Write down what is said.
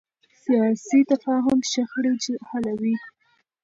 سیاسي تفاهم شخړې حلوي